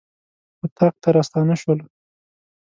اطاق ته راستانه شولو.